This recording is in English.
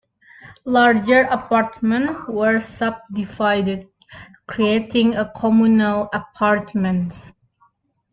Larger apartments were subdivided, creating communal apartments.